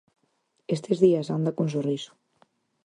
Estes días anda cun sorriso.